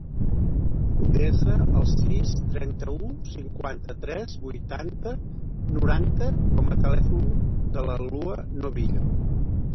Desa el sis, trenta-u, cinquanta-tres, vuitanta, noranta com a telèfon de la Lua Novillo.